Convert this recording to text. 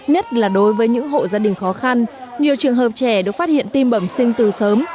nhất là đối với những hộ gia đình khó khăn nhiều trường hợp trẻ được phát hiện tim bẩm sinh từ sớm